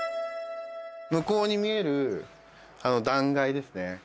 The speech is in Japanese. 向こうに見える断崖ですね